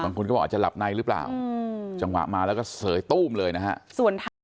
บางคนก็บอกอาจจะหลับในหรือเปล่าจังหวะมาแล้วก็เสยตู้มเลยนะฮะ